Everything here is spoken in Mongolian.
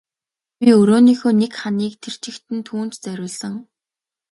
Би өрөөнийхөө нэг ханыг тэр чигт нь түүнд зориулсан.